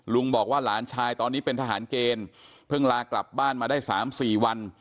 ลุงบอกว่าหลานชายตอนนี้เป็นทหารเกณฑ์เพิ่งลากลับบ้านมาได้๓๔วัน